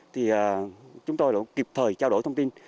thì chúng tôi đã kịp thời trao đổi thông tin